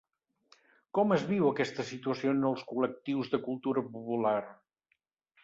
Com es viu aquesta situació en els col·lectius de cultura popular?